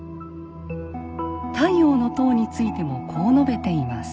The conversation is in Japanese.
「太陽の塔」についてもこう述べています。